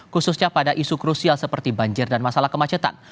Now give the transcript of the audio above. khususnya pada isu krusial seperti banjir dan masalah kemacetan